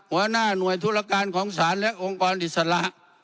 หัวหน้าหน่วยธุรการของศาลและองค์กรอิสระ